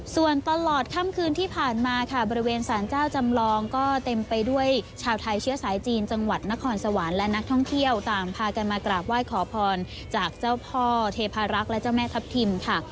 ส่วนตลอดค่ำคืนที่ผ่านมาค่ะบริเวณสารเจ้าจำลองก็เต็มไปด้วยชาวไทยเชื้อสายจีนจังหวัดนครสวรรค์และนักท่องเที่ยวต่างพากันมากราบไหว้ขอพรจากเจ้าพ่อเทพารักษ์และเจ้าแม่ทัพทิมค่ะ